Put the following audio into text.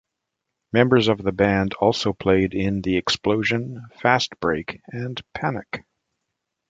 Members of the band also played in The Explosion, Fastbreak, and Panic.